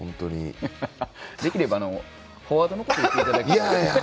できればフォワードのこと言っていただきたいなと。